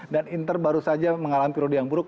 dan inter baru saja mengalami periode yang buruk